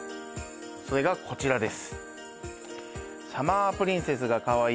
それがこちらです